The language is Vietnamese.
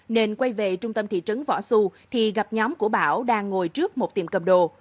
nên quay về trung tâm thị trấn võ xu thì gặp nhóm của bảo đang ngồi trước một tiệm cầm đồ